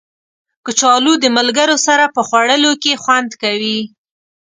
کچالو د ملګرو سره په خوړلو کې خوند کوي